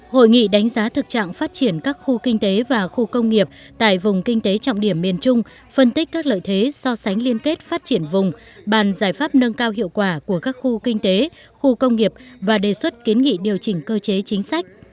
hội nghị đánh giá thực trạng phát triển các khu kinh tế và khu công nghiệp tại vùng kinh tế trọng điểm miền trung phân tích các lợi thế so sánh liên kết phát triển vùng bàn giải pháp nâng cao hiệu quả của các khu kinh tế khu công nghiệp và đề xuất kiến nghị điều chỉnh cơ chế chính sách